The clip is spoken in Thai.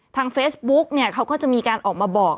ทางเฟซบุ๊กเนี่ยเขาก็จะมีการออกมาบอก